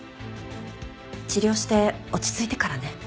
治療して落ち着いてからね。